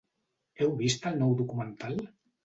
Heu vist el nou documental?